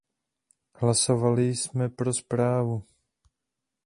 Hlasovali jsme pro zprávu.